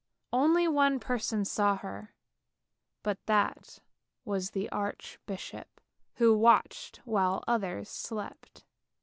Only one person saw her, but that was the archbishop, who watched while others slept.